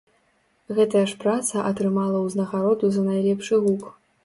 Гэтая ж праца атрымала ўзнагароду за найлепшы гук.